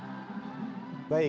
mengapa anda menangis